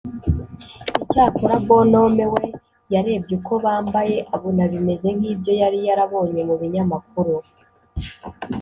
Icyakora Bonhomme we yarebye uko bambaye abona bimeze nk’ibyo yari yarabonye mu binyamakuru